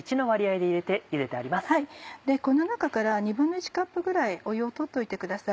この中から１／２カップぐらい湯を取っといてください。